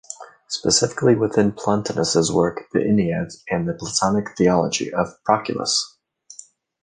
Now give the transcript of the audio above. Specifically within Plotinus's work the "Enneads" and the "Platonic Theology" of Proclus.